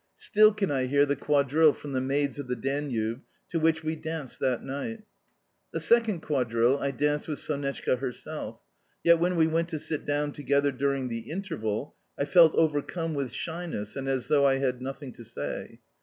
Still can I hear the quadrille from "The Maids of the Danube" to which we danced that night. The second quadrille, I danced with Sonetchka herself; yet when we went to sit down together during the interval, I felt overcome with shyness and as though I had nothing to say.